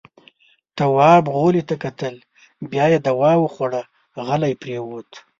تواب غولي ته کتل. بيا يې دوا وخوړه، غلی پرېووت.